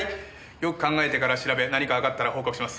よく考えてから調べ何かわかったら報告します。